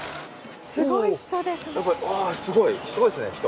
すごい人ですね。